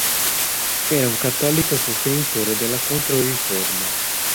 Era un cattolico sostenitore della Controriforma.